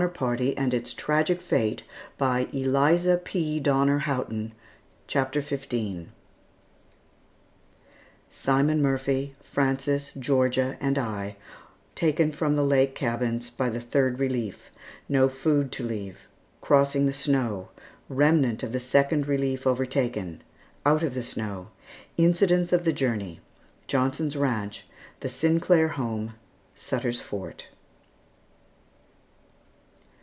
] [Footnote 12: See McGlashan's "History of the Donner Party."] CHAPTER XV SIMON MURPHY, FRANCES, GEORGIA, AND I TAKEN FROM THE LAKE CABINS BY THE THIRD RELIEF NO FOOD TO LEAVE CROSSING THE SNOW REMNANT OF THE SECOND RELIEF OVERTAKEN OUT OF THE SNOW INCIDENTS OF THE JOURNEY JOHNSON'S RANCH THE SINCLAIR HOME SUTTER'S FORT.